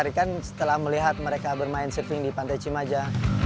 tarikan setelah melihat mereka bermain surfing di pantai cibaja